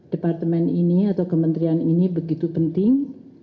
departemen ini atau kementerian ini begitu penting